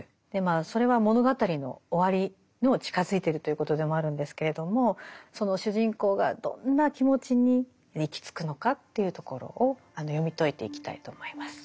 それは物語の終わりにも近づいてるということでもあるんですけれども主人公がどんな気持ちに行き着くのかというところを読み解いていきたいと思います。